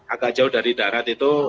agak jauh dari darat itu